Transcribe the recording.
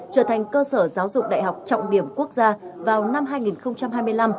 trở thành cơ sở giáo dục đại học trọng điểm quốc gia vào năm hai nghìn hai mươi năm